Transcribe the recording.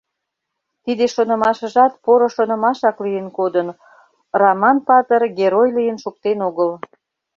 Тиде шонымашыжат поро шонымашак лийын кодын — Раман патыр, герой лийын шуктен огыл.